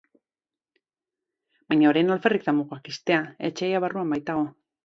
Baina orain alferrik da mugak ixtea, etsaia barruan baitago.